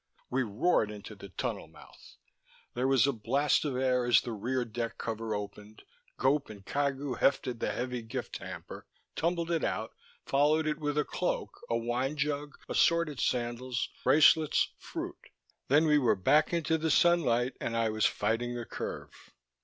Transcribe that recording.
We roared into the tunnel mouth. There was a blast of air as the rear deck cover opened. Gope and Cagu hefted the heavy gift hamper, tumbled it out, followed it with a cloak, a wine jug, assorted sandals, bracelets, fruit. Then we were back in the sunlight and I was fighting the curve.